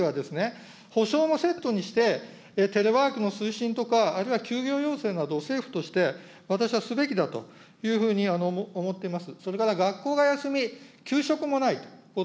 やっぱりそういう地域は補償もセットにして、テレワークの推進とか、あるいは休業要請などを、政府として私はすべきだというふうに思っています。